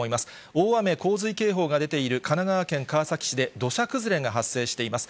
大雨洪水警報が出ている神奈川県川崎市で、土砂崩れが発生しています。